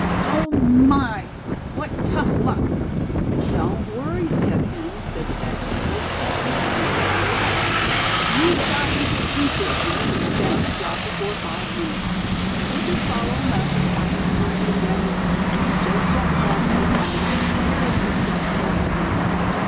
oh, my! what tough luck!" "Don't worry, Step Hen," said Thad, quickly; "that deer can't get away. You shot him to pieces, and he's just bound to drop before five minutes. We'll just follow him up, and find him lying as dead as " Just what Thad had in mind as a comparison Step Hen never knew.